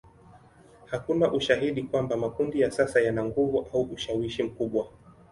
Hakuna ushahidi kwamba makundi ya sasa yana nguvu au ushawishi mkubwa.